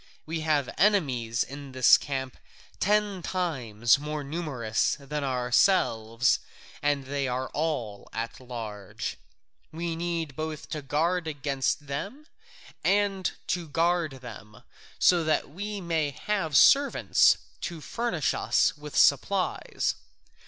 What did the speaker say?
We have enemies in this camp ten times more numerous than ourselves, and they are all at large: we need both to guard against them and to guard them, so that we may have servants to furnish us with supplies.